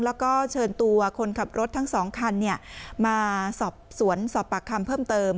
แล้วก็เชิญตัวคนขับรถทั้ง๒คันมาสอบสวนสอบปากคำเพิ่มเติม